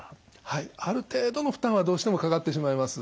はいある程度の負担はどうしてもかかってしまいます。